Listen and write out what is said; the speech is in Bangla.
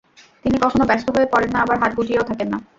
তিনি কখনো ব্যস্ত হয়ে পড়েন না, আবার হাত গুটিয়েও থাকেন না।